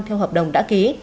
theo hợp đồng đã ký